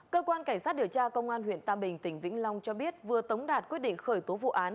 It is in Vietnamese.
cơ quan cảnh sát điều tra công an huyện tam bình tỉnh vĩnh long cho biết vừa tống đạt quyết định khởi tố vụ án